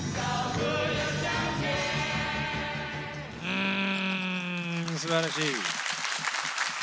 うんすばらしい！